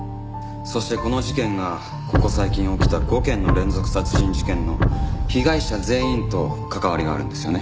そしてこの事件がここ最近起きた５件の連続殺人事件の被害者全員と関わりがあるんですよね。